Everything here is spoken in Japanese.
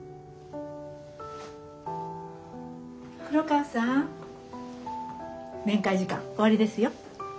黒川さん面会時間終わりですよ。